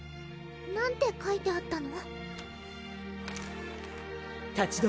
何て書いてあったの？